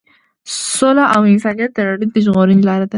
سوله او انسانیت د نړۍ د ژغورنې لار ده.